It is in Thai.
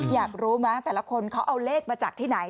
อยากรู้มั้ยแต่ละคนเขาเอาเลขมาจากที่ไหน